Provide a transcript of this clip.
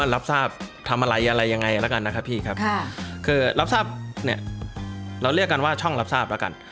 รับทราบทำอะไรอะไรยังไงแล้วกันนะครับพี่ครับคือรับทราบเนี่ยเราเรียกกันว่าช่องรับทราบแล้วกัน